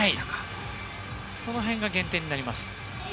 そのへんが減点になります。